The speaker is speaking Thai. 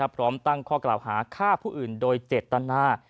พร้อมตั้งข้อกล่าวหาฆ่าผู้อื่นโดยเจตนา